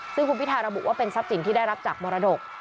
ซึ่งคุณพิทาระบุว่าเป็นทรัพย์สินที่ได้รับจากมรดก